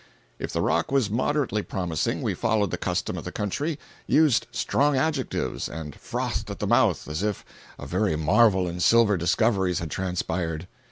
If the rock was moderately promising, we followed the custom of the country, used strong adjectives and frothed at the mouth as if a very marvel in silver discoveries had transpired.